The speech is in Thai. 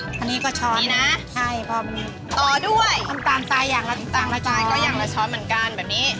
อันนี้ก็ช้อนนะพอบนนี้ต่อด้วยตามใส่อย่างละช้อนอย่างละช้อนเหมือนกันแบบนี้